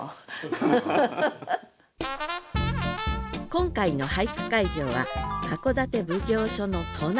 今回の俳句会場は箱館奉行所の隣。